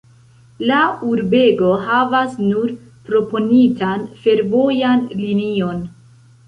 La urbego havas nur proponitan fervojan linion.